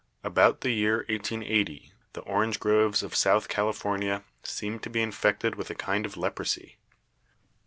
"About the year 1880 the orange groves of South California seemed to be infected with a kind of leprosy.